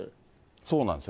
そうなんですよ。